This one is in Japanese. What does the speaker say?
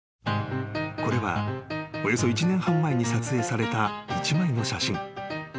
［これはおよそ１年半前に撮影された一枚の写真］